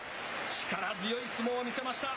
力強い相撲を見せました。